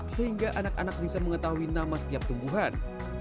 sehingga anak anak bisa mengetahui nama setiap tumbuhan